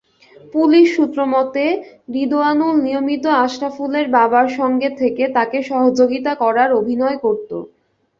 Police সূত্রমতে, রিদোয়ানুল নিয়মিত আশরাফুলের বাবার সঙ্গে থেকে তাঁকে সহযোগিতা করার অভিনয় করত।